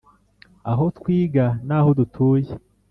Aho twiga naho dutuye